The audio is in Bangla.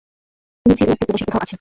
শুনেছি ও উত্তর প্রদেশের কোথাও আছে।